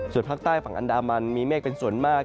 ส่วนภาคใต้ฝั่งอันดามันมีเมฆเป็นส่วนมาก